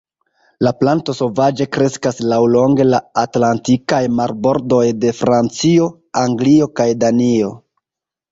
La planto sovaĝe kreskas laŭlonge la atlantikaj marbordoj de Francio, Anglio kaj Danio.